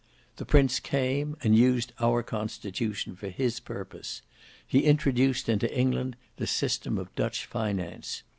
The prince came, and used our constitution for his purpose: he introduced into England the system of Dutch finance.